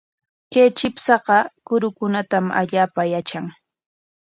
Kay chipshaqa kurukunatam allaapa yatran.